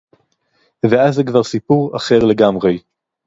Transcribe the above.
ואז זה כבר סיפור אחר לגמרי